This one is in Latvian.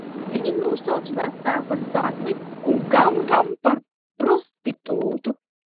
Viņi nosauca vectēvu par zagli un Gam Gam par prostitūtu!